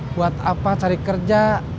buat apa cari kerja